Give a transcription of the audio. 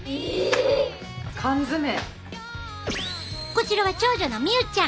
こちらは長女のみゆちゃん。